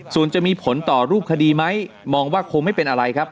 ส่วนจะมีผลต่อรูปคดีไหมมองว่าคงไม่เป็นอะไรครับ